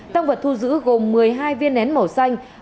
tăng vật thu giữ gồm một mươi hai viên nén màu xanh